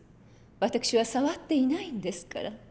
私は触っていないんですから。